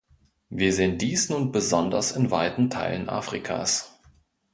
Wir sehen dies nun besonders in weiten Teilen Afrikas.